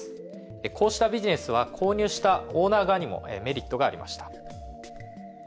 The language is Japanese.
こうしたビジネスは購入したオーナー側にもメリットがありました。